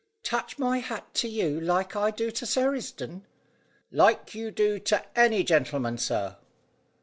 "Touch my hat to you like I do to Sir Risdon?" "Like you do to any gentleman, sir."